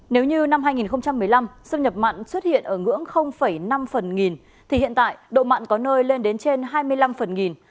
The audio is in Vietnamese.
nếu như năm hai nghìn một mươi năm xâm nhập mặn xuất hiện ở ngưỡng năm phần nghìn thì hiện tại độ mặn có nơi lên đến trên hai mươi năm phần nghìn